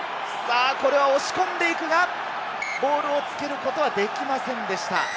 ここは押し込んでいくが、ボールをつけることはできませんでした。